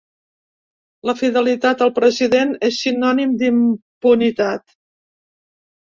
La fidelitat al president és sinònim d’impunitat.